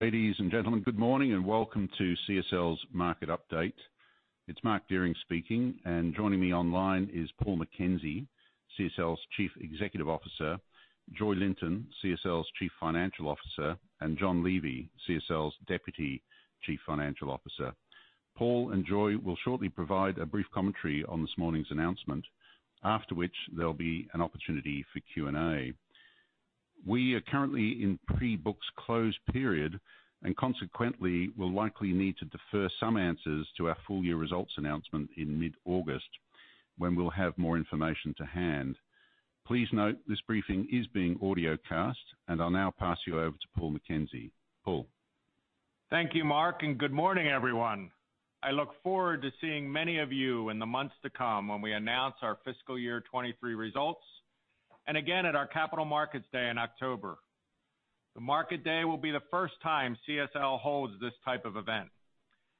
Ladies and gentlemen, good morning, and welcome to CSL's Market Update. It's Mark Deering speaking, and joining me online is Paul McKenzie, CSL's Chief Executive Officer, Joy Linton, CSL's Chief Financial Officer, and John Levy, CSL's Deputy Chief Financial Officer. Paul and Joy will shortly provide a brief commentary on this morning's announcement, after which there'll be an opportunity for Q&A. We are currently in pre-books close period, and consequently, will likely need to defer some answers to our full year results announcement in mid-August, when we'll have more information to hand. Please note, this briefing is being audiocast, and I'll now pass you over to Paul McKenzie. Paul? Thank you, Mark, and good morning, everyone. I look forward to seeing many of you in the months to come when we announce our fiscal year 2023 results, and again at our Capital Markets Day in October. The Market Day will be the first time CSL holds this type of event,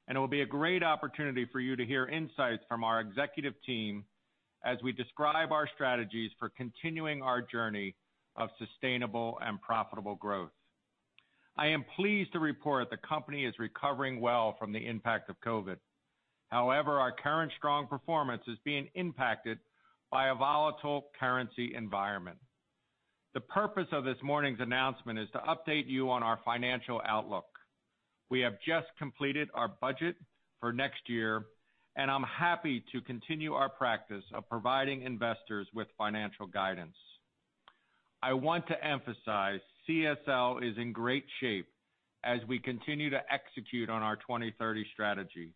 and it will be a great opportunity for you to hear insights from our executive team as we describe our strategies for continuing our journey of sustainable and profitable growth. I am pleased to report the company is recovering well from the impact of COVID. However, our current strong performance is being impacted by a volatile currency environment. The purpose of this morning's announcement is to update you on our financial outlook. We have just completed our budget for next year, and I'm happy to continue our practice of providing investors with financial guidance. I want to emphasize CSL is in great shape as we continue to execute on our 2030 strategy.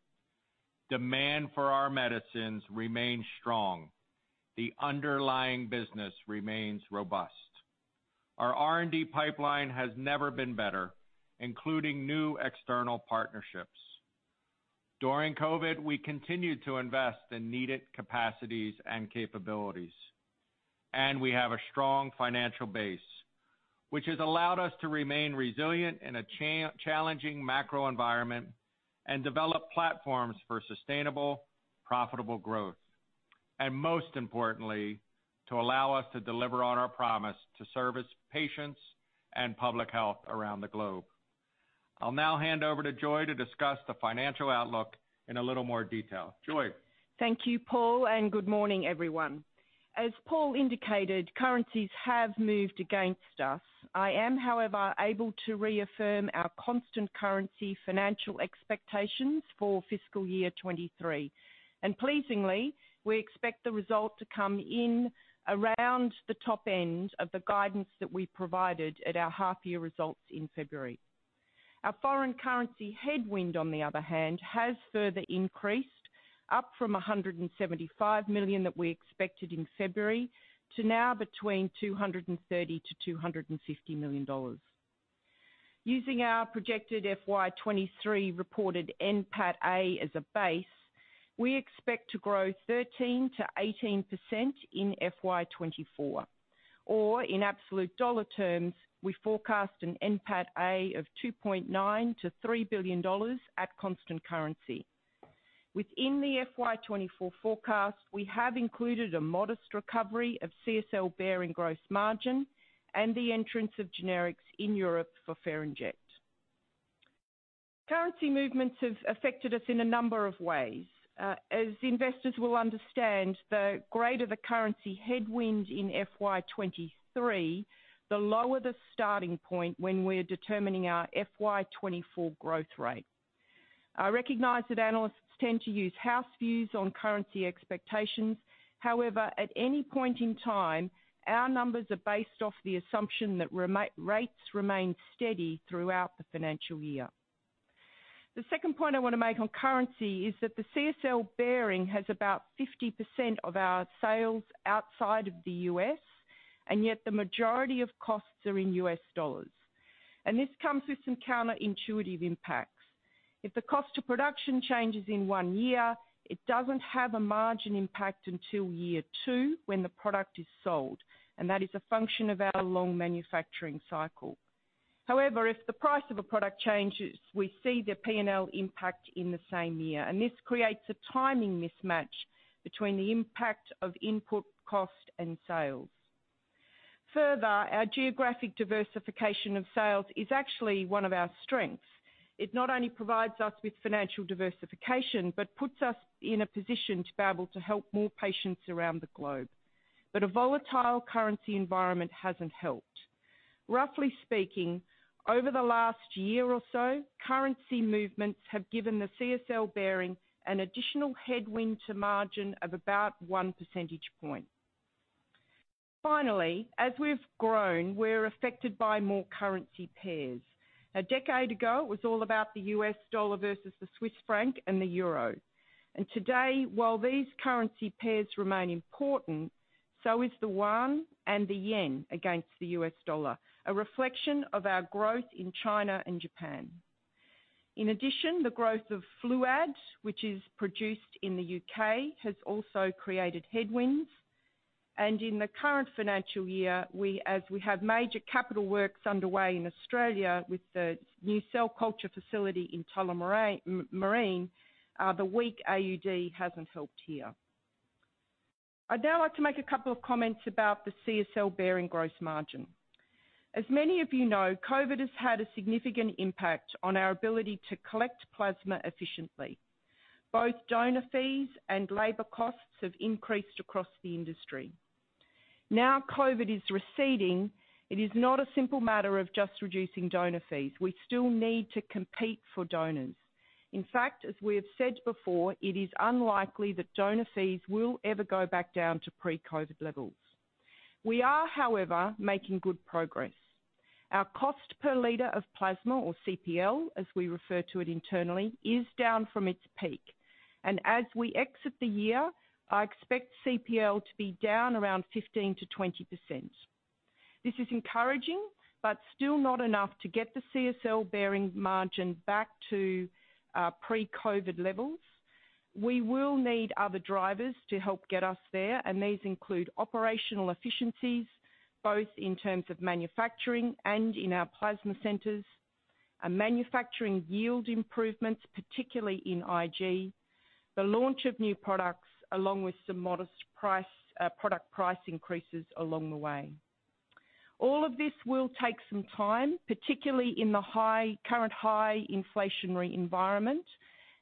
Demand for our medicines remains strong. The underlying business remains robust. Our R&D pipeline has never been better, including new external partnerships. During COVID, we continued to invest in needed capacities and capabilities, and we have a strong financial base, which has allowed us to remain resilient in a challenging macro environment and develop platforms for sustainable, profitable growth, and most importantly, to allow us to deliver on our promise to service patients and public health around the globe. I'll now hand over to Joy to discuss the financial outlook in a little more detail. Joy? Thank you, Paul, and good morning, everyone. As Paul indicated, currencies have moved against us. I am, however, able to reaffirm our constant currency financial expectations for fiscal year '23. Pleasingly, we expect the result to come in around the top end of the guidance that we provided at our half year results in February. Our foreign currency headwind, on the other hand, has further increased, up from $175 million that we expected in February, to now between $230 million-$250 million. Using our projected FY '23 reported NPAT A as a base, we expect to grow 13%-18% in FY '24, or in absolute dollar terms, we forecast an NPAT A of $2.9 billion-$3 billion at constant currency. Within the FY '24 forecast, we have included a modest recovery of CSL Behring gross margin and the entrance of generics in Europe for Ferinject. Currency movements have affected us in a number of ways. As investors will understand, the greater the currency headwind in FY '23, the lower the starting point when we're determining our FY '24 growth rate. I recognize that analysts tend to use house views on currency expectations. However, at any point in time, our numbers are based off the assumption that rates remain steady throughout the financial year. The second point I want to make on currency is that CSL Behring has about 50% of our sales outside of the US, yet the majority of costs are in US dollars. This comes with some counterintuitive impacts. If the cost of production changes in one year, it doesn't have a margin impact until year two, when the product is sold, and that is a function of our long manufacturing cycle. If the price of a product changes, we see the P&L impact in the same year, and this creates a timing mismatch between the impact of input, cost, and sales. Our geographic diversification of sales is actually one of our strengths. It not only provides us with financial diversification, but puts us in a position to be able to help more patients around the globe. A volatile currency environment hasn't helped. Roughly speaking, over the last year or so, currency movements have given the CSL Behring an additional headwind to margin of about one percentage point. As we've grown, we're affected by more currency pairs. A decade ago, it was all about the US dollar versus the Swiss franc and the euro. Today, while these currency pairs remain important, so is the Yuan and the yen against the U.S. dollar, a reflection of our growth in China and Japan. In addition, the growth of FLUAD, which is produced in the U.K., has also created headwinds. In the current financial year, as we have major capital works underway in Australia with the new cell culture facility in Tullamarine, the weak AUD hasn't helped here. I'd now like to make a couple of comments about the CSL Behring gross margin. As many of you know, COVID has had a significant impact on our ability to collect plasma efficiently. Both donor fees and labor costs have increased across the industry. COVID is receding, it is not a simple matter of just reducing donor fees. We still need to compete for donors. In fact, as we have said before, it is unlikely that donor fees will ever go back down to pre-COVID levels. We are, however, making good progress. Our cost per liter of plasma, or CPL, as we refer to it internally, is down from its peak, and as we exit the year, I expect CPL to be down around 15%-20%. This is encouraging, but still not enough to get the CSL Behring margin back to pre-COVID levels. We will need other drivers to help get us there, and these include operational efficiencies, both in terms of manufacturing and in our plasma centers, and manufacturing yield improvements, particularly in IG, the launch of new products, along with some modest price, product price increases along the way. All of this will take some time, particularly in the high, current high inflationary environment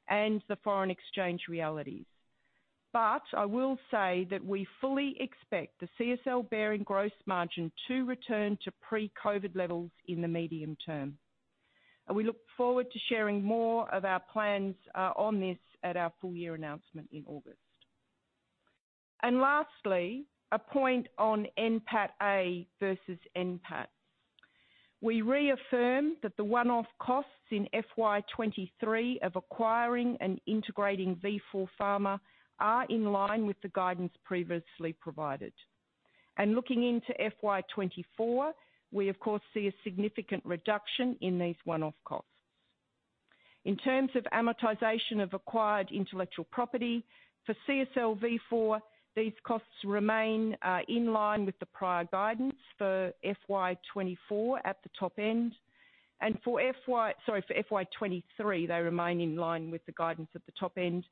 and the foreign exchange realities. I will say that we fully expect the CSL Behring gross margin to return to pre-COVID levels in the medium term, and we look forward to sharing more of our plans on this at our full year announcement in August. Lastly, a point on NPAT A versus NPAT. We reaffirm that the one-off costs in FY 2023 of acquiring and integrating Vifor Pharma are in line with the guidance previously provided. Looking into FY 2024, we of course, see a significant reduction in these one-off costs. In terms of amortization of acquired intellectual property, for CSL Vifor, these costs remain in line with the prior guidance for FY 2024 at the top end, Sorry, for FY 2023, they remain in line with the guidance at the top end.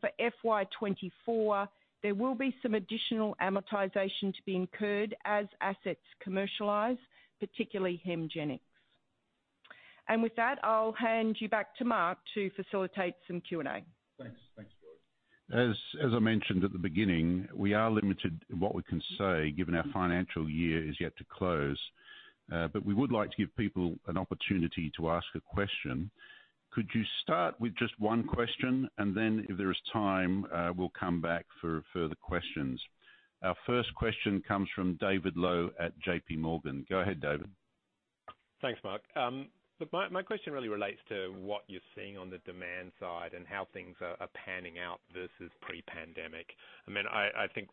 For FY '24, there will be some additional amortization to be incurred as assets commercialize, particularly HEMGENIX. With that, I'll hand you back to Mark to facilitate some Q&A. Thanks, Joy. As I mentioned at the beginning, we are limited in what we can say, given our financial year is yet to close, but we would like to give people an opportunity to ask a question. Could you start with just one question, and then if there is time, we'll come back for further questions. Our first question comes from David Low at J.P. Morgan. Go ahead, David. Thanks, Mark. look, my question really relates to what you're seeing on the demand side and how things are panning out versus pre-pandemic. I mean, I think,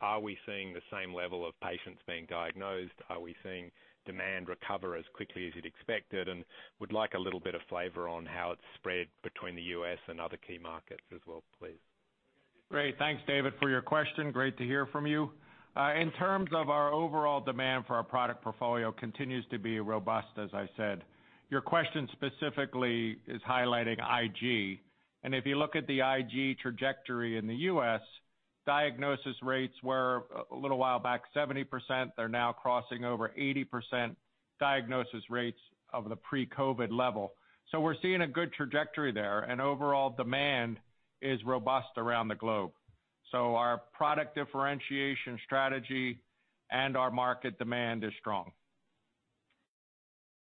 are we seeing the same level of patients being diagnosed? Are we seeing demand recover as quickly as you'd expected? Would like a little bit of flavor on how it's spread between the US and other key markets as well, please. Great. Thanks, David, for your question. Great to hear from you. In terms of our overall demand for our product portfolio continues to be robust, as I said. Your question specifically is highlighting IG, and if you look at the IG trajectory in the US, diagnosis rates were, a little while back, 70%. They're now crossing over 80% diagnosis rates of the pre-COVID level. We're seeing a good trajectory there, and overall demand is robust around the globe. Our product differentiation strategy and our market demand is strong.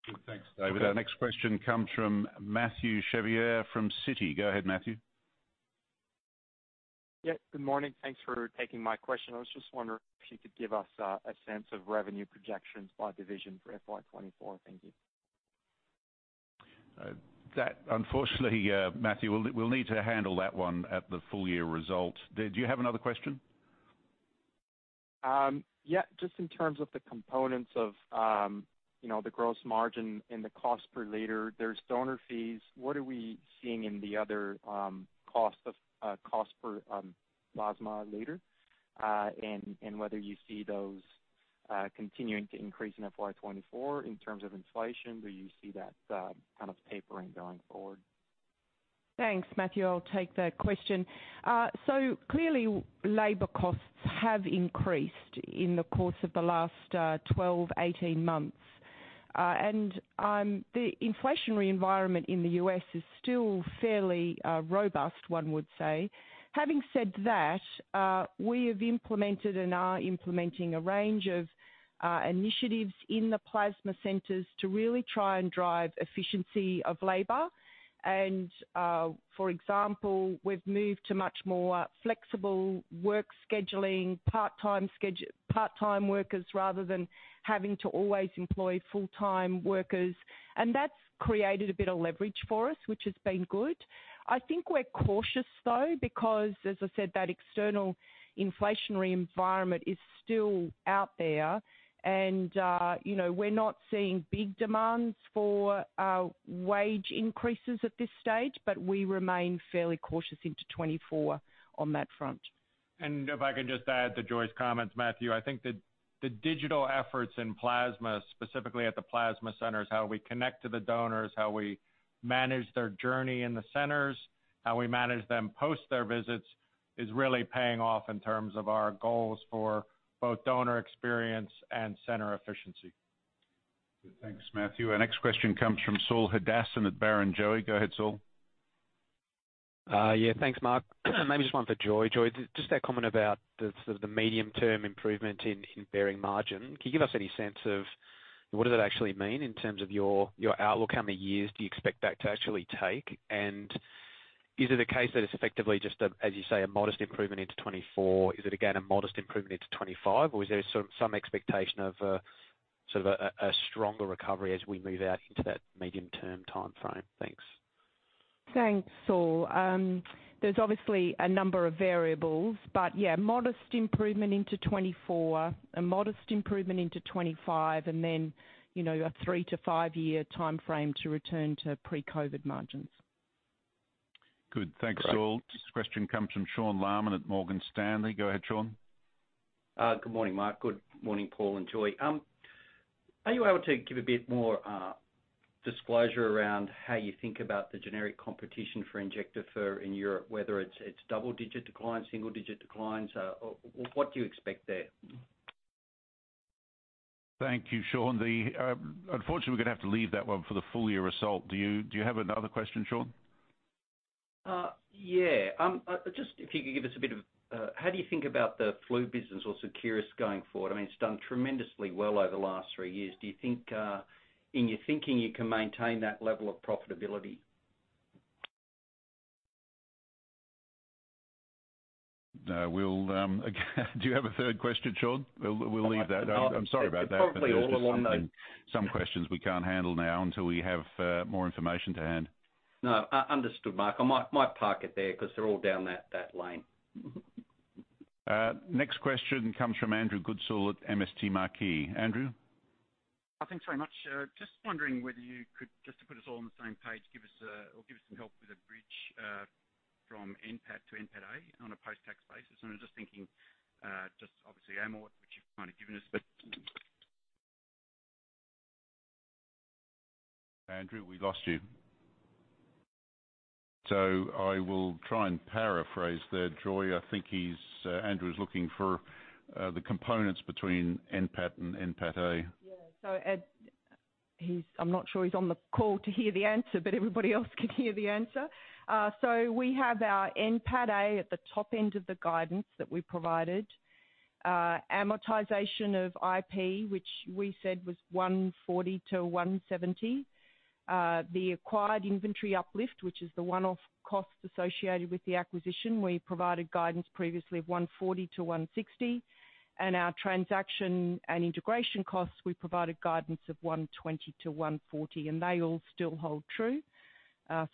Good. Thanks, David. Okay. Our next question comes from Mathieu Wieser from Citi. Go ahead, Mathieu. Yeah, good morning. Thanks for taking my question. I was just wondering if you could give us a sense of revenue projections by division for FY 2024. Thank you. That unfortunately, Mathieu, we'll need to handle that one at the full year result. Did you have another question? Yeah, just in terms of the components of, you know, the gross margin and the cost per liter, there's donor fees. What are we seeing in the other costs of cost per plasma liter? Whether you see those continuing to increase in FY 24 in terms of inflation, do you see that kind of tapering going forward? Thanks, Mathiue. I'll take that question. Clearly, labor costs have increased in the course of the last 12, 18 months. The inflationary environment in the U.S. is still fairly robust, one would say. Having said that, we have implemented and are implementing a range of initiatives in the plasma centers to really try and drive efficiency of labor. For example, we've moved to much more flexible work scheduling, part-time workers, rather than having to always employ full-time workers. That's created a bit of leverage for us, which has been good. I think we're cautious, though, because, as I said, that external inflationary environment is still out there, and you know, we're not seeing big demands for wage increases at this stage, but we remain fairly cautious into 2024 on that front. If I could just add to Joyce's comments, Mathieu, I think the digital efforts in plasma, specifically at the plasma centers, how we connect to the donors, how we manage their journey in the centers, how we manage them, post their visits, is really paying off in terms of our goals for both donor experience and center efficiency.... Thanks, Mathieu. Our next question comes from Saul Hadassin at Barrenjoey. Go ahead, Saul. Yeah, thanks, Mark. Maybe just one for Joy. Joy, just that comment about the sort of the medium-term improvement in Behring margin. Can you give us any sense of what does that actually mean in terms of your outlook? How many years do you expect that to actually take? Is it a case that it's effectively just a, as you say, a modest improvement into 2024? Is it again, a modest improvement into 2025, or is there some expectation of sort of a stronger recovery as we move out into that medium-term timeframe? Thanks. Thanks, Saul. There's obviously a number of variables, but yeah, modest improvement into 2024, a modest improvement into 2025, and then, you know, a 3-5-year timeframe to return to pre-COVID margins. Good. Thanks, Saul. This question comes from Sean Laaman at Morgan Stanley. Go ahead, Sean. Good morning, Mark. Good morning, Paul and Joy. Are you able to give a bit more disclosure around how you think about the generic competition for Injectafer in Europe, whether it's double-digit declines, single-digit declines, what do you expect there? Thank you, Sean. The, unfortunately, we're gonna have to leave that one for the full year result. Do you have another question, Sean? Yeah. How do you think about the flu business or Seqirus going forward? I mean, it's done tremendously well over the last 3 years. Do you think in your thinking, you can maintain that level of profitability? We'll again, do you have a third question, Sean? We'll leave that. No, I- I'm sorry about that. Probably all along. Some questions we can't handle now until we have more information to hand. No, understood, Mark. I might park it there 'cause they're all down that lane. Next question comes from Andrew Goodsall at MST Marquee. Andrew? Thanks very much. Just wondering whether you could, just to put us all on the same page, give us, or give us some help with a bridge from NPAT to NPAT-A on a post-tax basis. I'm just thinking, just obviously amort, which you've kind of given us. Andrew, we lost you. I will try and paraphrase there, Joy. I think he's Andrew's looking for the components between NPAT and NPAT-A. Yeah. Ed, I'm not sure he's on the call to hear the answer, but everybody else can hear the answer. We have our NPAT-A at the top end of the guidance that we provided. Amortization of IP, which we said was $140-$170. The acquired inventory uplift, which is the one-off costs associated with the acquisition, we provided guidance previously of $140-$160, and our transaction and integration costs, we provided guidance of $120-$140, and they all still hold true.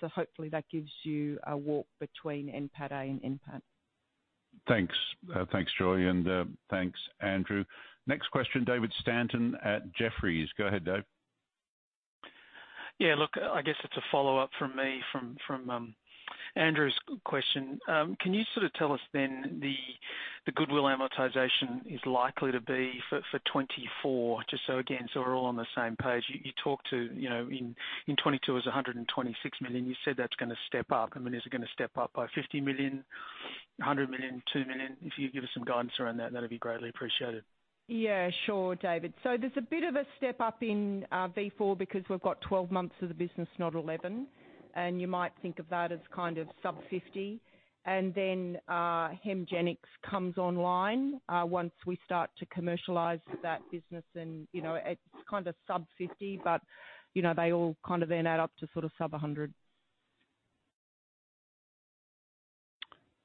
Hopefully that gives you a walk between NPAT-A and NPAT. Thanks. Thanks, Joy, and thanks, Andrew. Next question, David Stanton at Jefferies. Go ahead, Dave. Look, I guess it's a follow-up from me, from Andrew's question. Can you sort of tell us then, the goodwill amortization is likely to be for 2024, just so again, we're all on the same page. You talked to, you know, in 2022, it was $126 million. You said that's gonna step up. I mean, is it gonna step up by $50 million, $100 million, $2 million? If you give us some guidance around that'd be greatly appreciated. Yeah, sure, David. There's a bit of a step up in Vifor because we've got 12 months of the business, not 11, and you might think of that as kind of sub $50. Then HEMGENIX comes online once we start to commercialize that business, and, you know, it's kind of sub $50, but, you know, they all kind of then add up to sort of sub $100.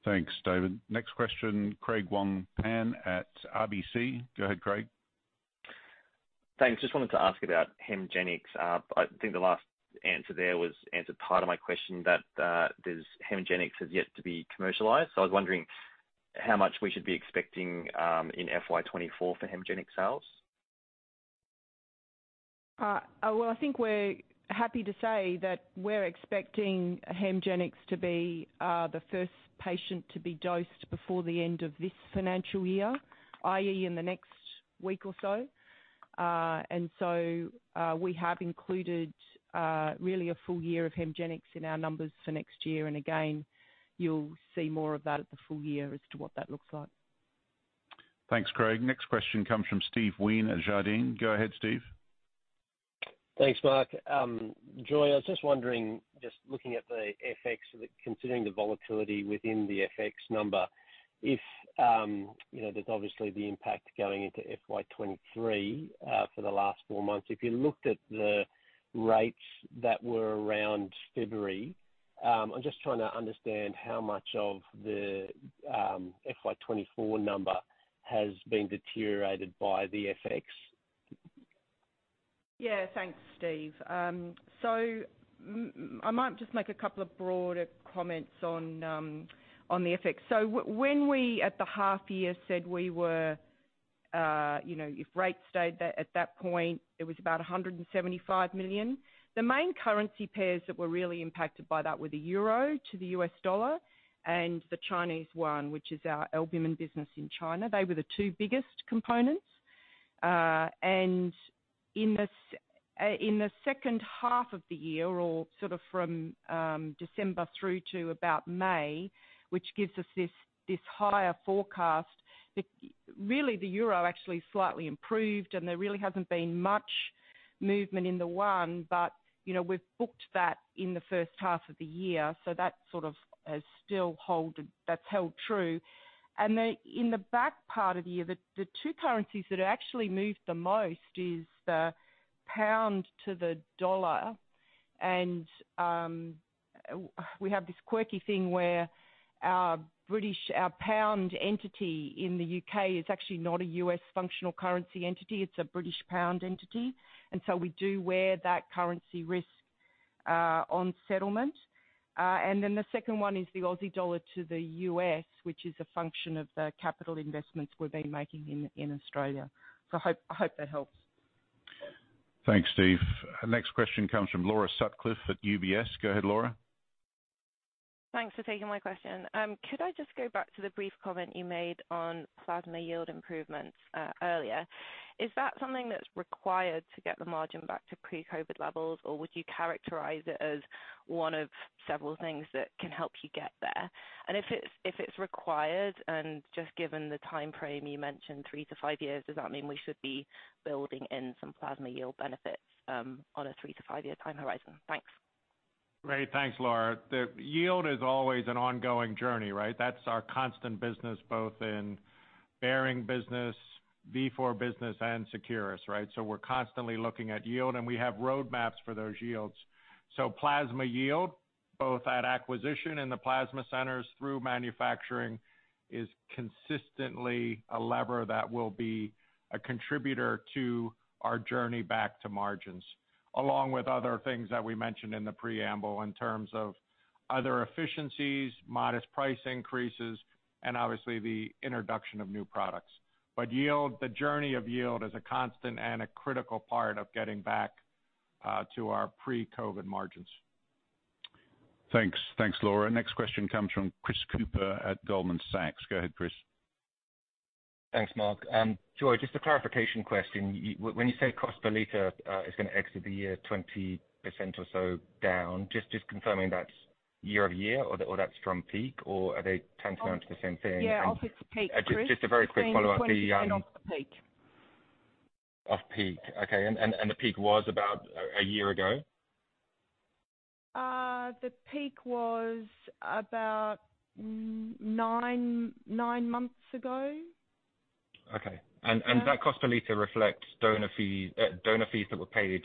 Thanks, David. Next question, Craig Wong-Pan. at RBC Go ahead, Thanks. Just wanted to ask about HEMGENIX. I think the last answer there was, answered part of my question, that, HEMGENIX has yet to be commercialized. I was wondering how much we should be expecting in FY '24 for HEMGENIX sales? Well, I think we're happy to say that we're expecting HEMGENIX to be the first patient to be dosed before the end of this financial year, i.e., in the next week or so. We have included really a full year of HEMGENIX in our numbers for next year. Again, you'll see more of that at the full year as to what that looks like. Thanks, Craig. Next question comes from Steven Wheen at Jarden. Go ahead, Steve. Thanks, Mark. Joy, I was just wondering, just looking at the FX, considering the volatility within the FX number, if, you know, there's obviously the impact going into FY 2023, for the last four months. If you looked at the rates that were around February, I'm just trying to understand how much of the FY 2024 number has been deteriorated by the FX? Yeah. Thanks, Steve. I might just make a couple of broader comments on the FX. When we, at the half year, said we were, you know, if rates stayed at that point, it was about $175 million. The main currency pairs that were really impacted by that were the euro to the US dollar and the Chinese yuan, which is our albumin business in China. They were the two biggest components. In the second half of the year, or sort of from December through to about May, which gives us this higher forecast, the, really, the euro actually slightly improved, and there really hasn't been much. movement in the one. You know, we've booked that in the first half of the year, so that sort of that's held true. In the back part of the year, the two currencies that are actually moved the most is the pound to the dollar. We have this quirky thing where our British, our pound entity in the U.K. is actually not a U.S. functional currency entity, it's a British pound entity, and so we do wear that currency risk on settlement. Then the second one is the Aussie dollar to the U.S., which is a function of the capital investments we've been making in Australia. I hope that helps. Thanks, Steve. next question comes from Laura Sutcliffe at UBS. Go ahead, Laura. Thanks for taking my question. Could I just go back to the brief comment you made on plasma yield improvements earlier? Is that something that's required to get the margin back to pre-COVID levels? Or would you characterize it as one of several things that can help you get there? If it's required, and just given the time frame, you mentioned three to five years, does that mean we should be building in some plasma yield benefits on a three to five-year time horizon? Thanks. Great. Thanks, Laura. The yield is always an ongoing journey, right? That's our constant business, both in Behring business, Vifor business and Seqirus, right? We're constantly looking at yield, and we have roadmaps for those yields. Plasma yield, both at acquisition and the plasma centers through manufacturing, is consistently a lever that will be a contributor to our journey back to margins, along with other things that we mentioned in the preamble, in terms of other efficiencies, modest price increases, and obviously the introduction of new products. Yield, the journey of yield is a constant and a critical part of getting back to our pre-COVID margins. Thanks. Thanks, Laura. Next question comes from Chris Cooper at Goldman Sachs. Go ahead, Chris. Thanks, Mark. Joy, just a clarification question. When you say cost per liter is gonna exit the year 20% or so down, just confirming that's year-over-year, or that's from peak, or are they tantamount to the same thing? Yeah, off its peak, Chris. Just a very quick follow-up. 20% off the peak. Off peak, okay. The peak was about a year ago? The peak was about nine months ago. Okay. Um- That cost per liter reflects donor fees, donor fees that were paid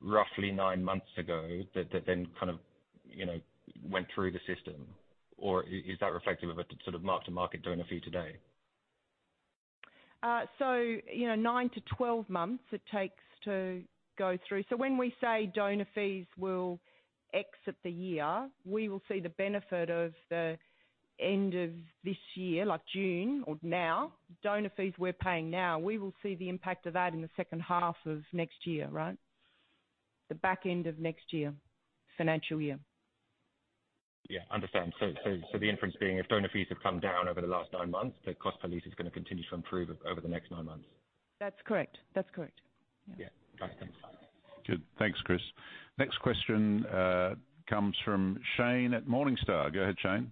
roughly nine months ago, that then kind of, you know, went through the system, or is that reflective of a sort of mark-to-market donor fee today? you know, 9-12 months it takes to go through. When we say donor fees will exit the year, we will see the benefit of the end of this year, like June or now. Donor fees we're paying now, we will see the impact of that in the second half of next year, right? The back end of next year, financial year. Yeah, understand. The inference being, if donor fees have come down over the last nine months, the cost per liter is gonna continue to improve over the next nine months. That's correct. Yeah. Got it. Thanks. Good. Thanks, Chris. Next question comes from Shane at Morningstar. Go ahead, Shane.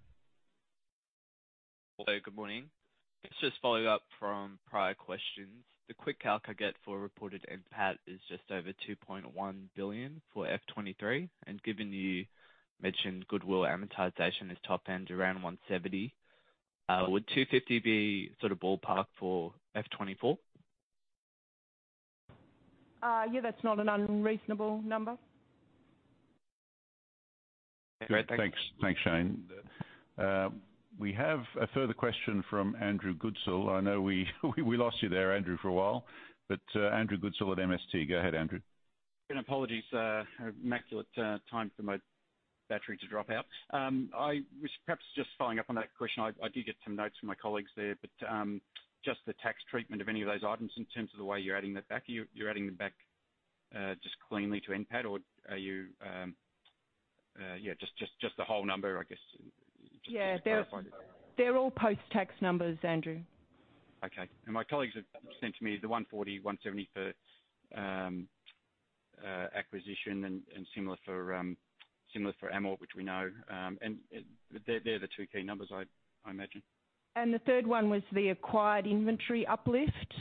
Hello, good morning. Just following up from prior questions, the quick calc I get for reported NPAT is just over $2.1 billion for FY '23. Given you mentioned goodwill amortization is top end around $170 million, would $250 million be sort of ballpark for FY '24? Yeah, that's not an unreasonable number. Great. Thanks. Thanks, Shane. We have a further question from Andrew Goodsall. I know we lost you there, Andrew, for a while, but Andrew Goodsall at MST. Go ahead, Andrew. Apologies, immaculate time for my battery to drop out. I was perhaps just following up on that question. I did get some notes from my colleagues there, but just the tax treatment of any of those items in terms of the way you're adding that back, you're adding them back just cleanly to NPAT? Or are you, yeah, just the whole number, I guess, just to clarify? Yeah. They're all post-tax numbers, Andrew. Okay. My colleagues have sent to me the $140, $170 for acquisition and similar for similar for AMAL, which we know. They're the two key numbers I imagine. The third one was the acquired inventory uplift,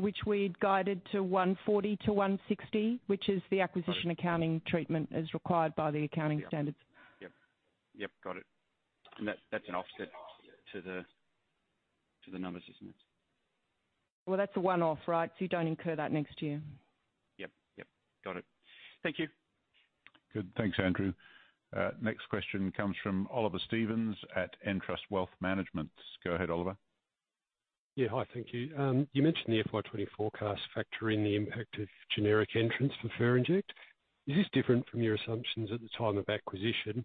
which we'd guided to $140-$160, which is the. Got it. accounting treatment, as required by the accounting standards. Yep. Yep, got it. That's an offset to the numbers, isn't it? Well, that's a one-off, right? You don't incur that next year. Yep, yep. Got it. Thank you. Good, thanks, Andrew. Next question comes from Oliver Stevens at E&P Financial Group. Go ahead, Oliver. Yeah. Hi, thank you. you mentioned the FY 2024 forecast factor in the impact of generic entrants for Ferinject. Is this different from your assumptions at the time of acquisition?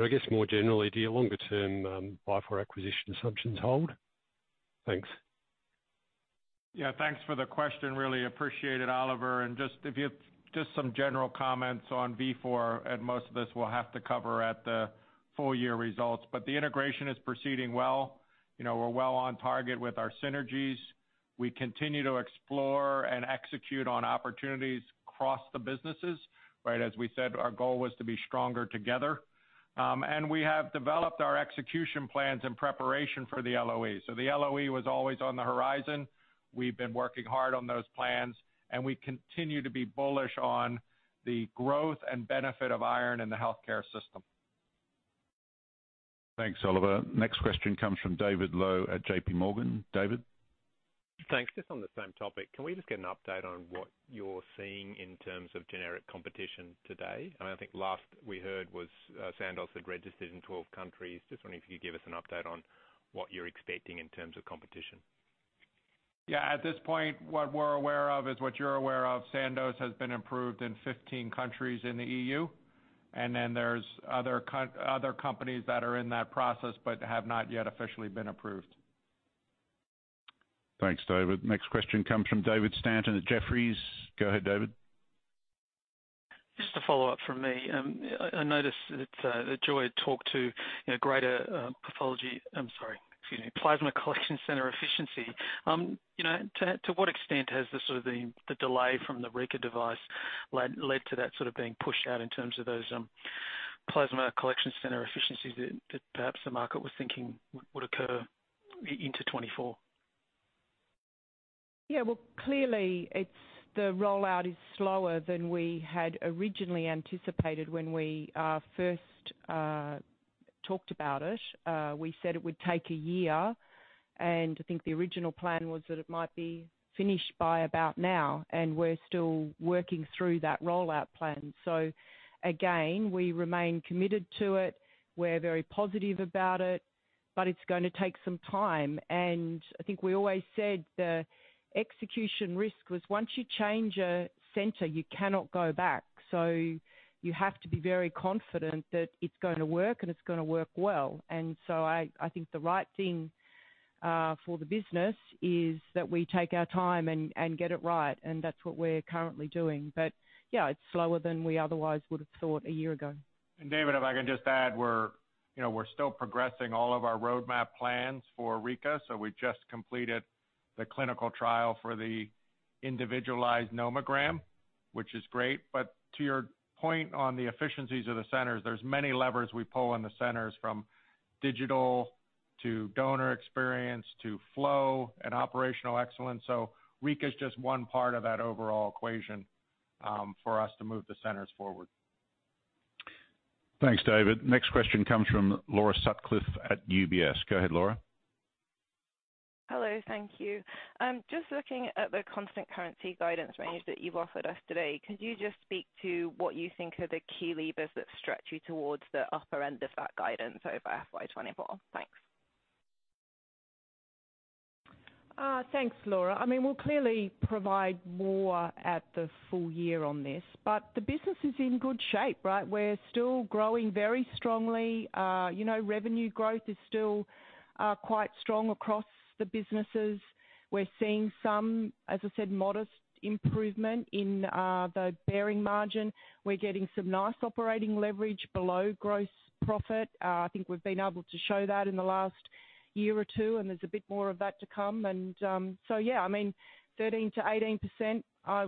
I guess more generally, do your longer-term Vifor acquisition assumptions hold? Thanks. Yeah, thanks for the question. Really appreciate it, Oliver. Just some general comments on Vifor, and most of this we'll have to cover at the full year results, but the integration is proceeding well. You know, we're well on target with our synergies. We continue to explore and execute on opportunities across the businesses. Right, as we said, our goal was to be stronger together. We have developed our execution plans in preparation for the LOE. The LOE was always on the horizon. We've been working hard on those plans, and we continue to be bullish on the growth and benefit of iron in the healthcare system. Thanks, Oliver. Next question comes from David Low at J.P. Morgan. David? Thanks. Just on the same topic, can we just get an update on what you're seeing in terms of generic competition today? I mean, I think last we heard was, Sandoz had registered in 12 countries. Just wondering if you could give us an update on what you're expecting in terms of competition. Yeah, at this point, what we're aware of is what you're aware of. Sandoz has been approved in 15 countries in the EU, there's other companies that are in that process, but have not yet officially been approved. Thanks, David. Next question comes from David Stanton at Jefferies. Go ahead, David. Just a follow-up from me. I noticed that Joy had talked to, you know, greater plasma collection center efficiency. You know, to what extent has the sort of the delay from the Rika device led to that sort of being pushed out in terms of those plasma collection center efficiencies that perhaps the market was thinking would occur into 2024? Well, clearly, the rollout is slower than we had originally anticipated when we first talked about it. We said it would take a year, and I think the original plan was that it might be finished by about now, and we're still working through that rollout plan. Again, we remain committed to it. We're very positive about it, but it's gonna take some time, and I think we always said the execution risk was once you change a center, you cannot go back. You have to be very confident that it's gonna work, and it's gonna work well. I think the right thing for the business is that we take our time and get it right, and that's what we're currently doing. Yeah, it's slower than we otherwise would've thought a year ago. David, if I can just add, we're, you know, we're still progressing all of our roadmap plans for Rika, so we've just completed the clinical trial for the individualized nomogram, which is great. To your point on the efficiencies of the centers, there's many levers we pull in the centers, from digital to donor experience to flow and operational excellence. Rika is just one part of that overall equation, for us to move the centers forward. Thanks, David. Next question comes from Laura Sutcliffe at UBS. Go ahead, Laura. Hello. Thank you. Just looking at the constant currency guidance range that you've offered us today, could you just speak to what you think are the key levers that stretch you towards the upper end of that guidance over FY '24? Thanks. Thanks, Laura. I mean, we'll clearly provide more at the full year on this, but the business is in good shape, right? We're still growing very strongly. you know, revenue growth is still quite strong across the businesses. We're seeing some, as I said, modest improvement in the Behring margin. We're getting some nice operating leverage below gross profit. I think we've been able to show that in the last year or two, and there's a bit more of that to come. So yeah, I mean, 13%-18%,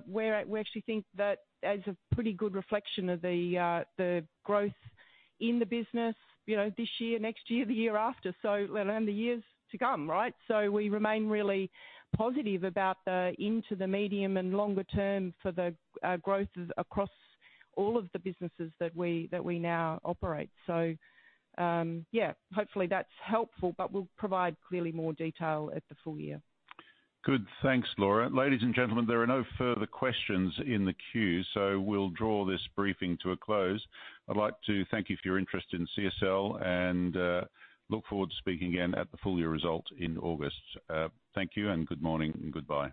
we actually think that that's a pretty good reflection of the growth in the business, you know, this year, next year, the year after, so, and in the years to come, right? We remain really positive about the, into the medium and longer term for the growth across all of the businesses that we now operate. Hopefully that's helpful, but we'll provide clearly more detail at the full year. Good. Thanks, Laura. Ladies and gentlemen, there are no further questions in the queue, so we'll draw this briefing to a close. I'd like to thank you for your interest in CSL and look forward to speaking again at the full year result in August. Thank you, good morning, and goodbye.